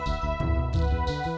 tidak bisa diandalkan